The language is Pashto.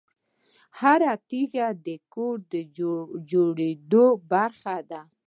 هره تیږه د کور د جوړېدو برخه ده.